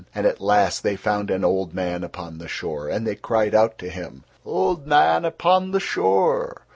And at last they found an old man upon the shore, and they cried out to him: "Old man upon the shore!